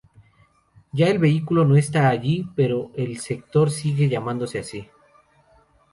Ya el vehículo no está allí, pero el sector sigue llamándose así.